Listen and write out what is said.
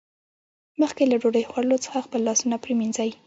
مخکې له ډوډۍ خوړلو څخه خپل لاسونه پرېمینځئ